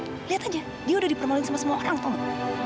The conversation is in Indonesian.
tuh lihat saja dia sudah dipermaluin sama semua orang tomo